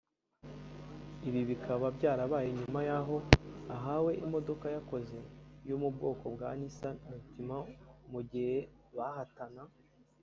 Ibi bikaba byarabaye nyuma y’aho ahawe imodoka yakoze yo mu bwoko bwa Nissan Altima mu gihe bahatana